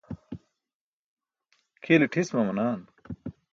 kʰiile ṭhis mamanaan